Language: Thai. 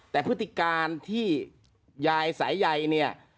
แต่พฤติการที่ยายสายใยเนี่ย